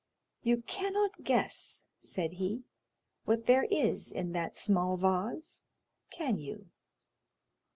"You cannot guess," said he, "what there is in that small vase, can you?"